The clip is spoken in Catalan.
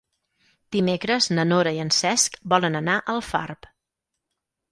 Dimecres na Nora i en Cesc volen anar a Alfarb.